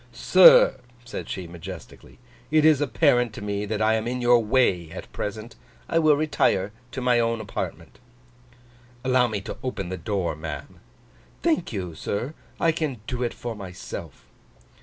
'Sir,' said she, majestically. 'It is apparent to me that I am in your way at present. I will retire to my own apartment.' 'Allow me to open the door, ma'am.' 'Thank you, sir; I can do it for myself.